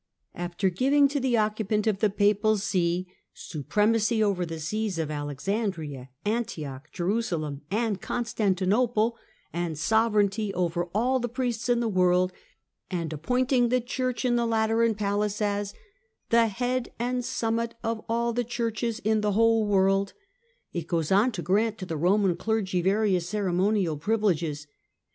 After giving to the occupant of the Papal See supremacy over the Sees of Alexandria, Antioch, Jerusalem and Constantinople, and sovereignty over all the priests in the world, and appointing the Church in the Lateran palace as " the head and summit of all the churches in the whole world," it goes on to grant to the Roman clergy various ceremonial privileges.